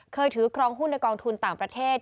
ถือครองหุ้นในกองทุนต่างประเทศ